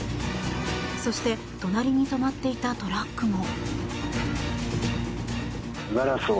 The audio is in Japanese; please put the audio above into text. そして隣に止まっていたトラックも。